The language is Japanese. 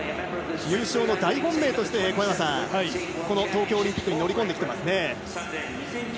優勝の大本命として東京オリンピックに乗り込んできています。